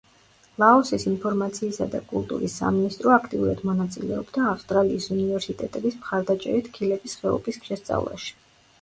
ლაოსის ინფორმაციისა და კულტურის სამინისტრო აქტიურად მონაწილეობდა ავსტრალიის უნივერსიტეტების მხარდაჭერით ქილების ხეობის შესწავლაში.